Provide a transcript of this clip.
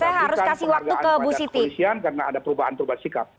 saya harus kasih waktu ke polisian karena ada perubahan perubahan sikap